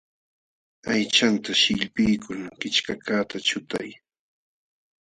Aychanta sillpiykul kichkakaqta chutay.